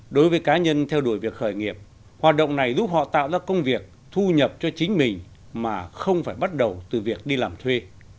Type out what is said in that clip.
đối với cá nhân theo đuổi việc khởi nghiệp hoạt động này giúp họ tạo ra công việc thu nhập cho chính mình mà không phải bắt đầu từ việc đi làm thuê